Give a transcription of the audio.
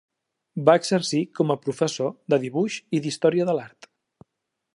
Va exercir com a professor de Dibuix i d'Història de l'Art.